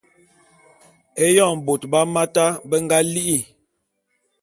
Eyon bôt bé Hamata be nga li'i.